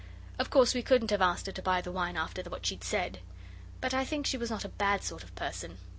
Of course we couldn't have asked her to buy the wine after what she'd said. But I think she was not a bad sort of person.